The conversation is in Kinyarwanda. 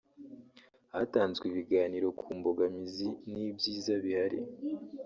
Hatanzwe ibiganiro ku mbogamizi n’ibyiza bihari